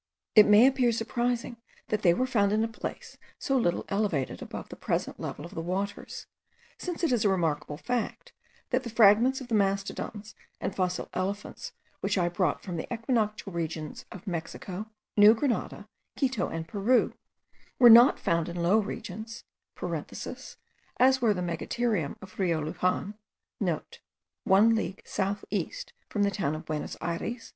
It may appear surprising that they were found in a place so little elevated above the present level of the waters; since it is a remarkable fact, that the fragments of the mastodons and fossil elephants which I brought from the equinoctial regions of Mexico, New Grenada, Quito, and Peru, were not found in low regions (as were the megatherium of Rio Luxan* (* One league south east from the town of Buenos Ayres.)